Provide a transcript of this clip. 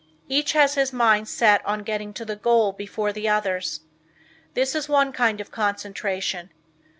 Each has his mind set on getting to the goal before the others. This is one kind of concentration.